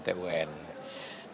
kita akan melakukan gugatan ke pt un